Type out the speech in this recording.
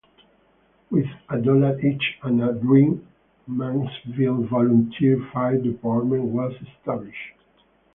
With a dollar each and a dream, "Mannsville Volunteer Fire Department" was established.